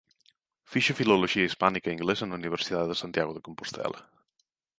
Fixo Filoloxía Hispánica e Inglesa na Universidade de Santiago de Compostela.